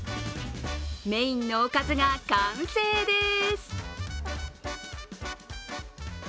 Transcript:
メインのおかずが完成です。